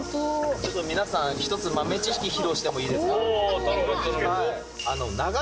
ちょっと皆さん一つ豆知識披露してもいいですか。